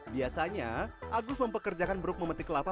biasanya agus mempekerjakan bruk memetik kelapa